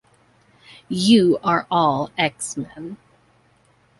You are all X-Men.